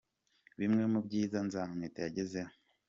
Bimwe mu byiza Nzamwita yagezeho :.